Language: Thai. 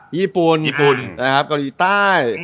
ญี่ปุ่นกรณีใต้